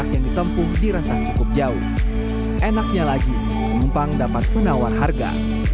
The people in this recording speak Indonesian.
yang ditempuh dirasa cukup jauh enaknya lagi penumpang dapat menawar harga